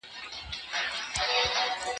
زه د کتابتون پاکوالی کړی دی!.